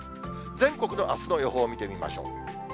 全国のあすの予報を見てみましょう。